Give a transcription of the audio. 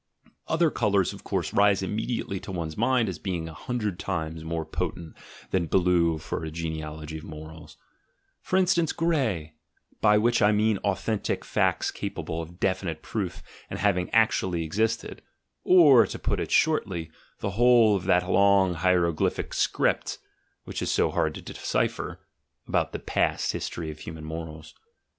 Other colours, of course, rise immediately to one's mind as being a hundred times more potent than blue for a genealogy of morals: — for instance, grey, by which I mean authentic facts capable of definite proof and having actually existed, or, to put it shortly, the whole of that long hieroglyphic script (which is so hard to de cipher) about the past history of human morals.